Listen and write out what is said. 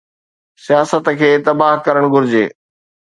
سياست کي تباهه ڪرڻ گهرجي.